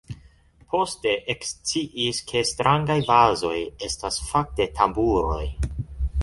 Poste eksciis ke strangaj vazoj estas fakte tamburoj.